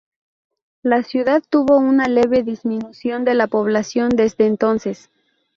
La ciudad tuvo una leve disminución de la población desde entonces.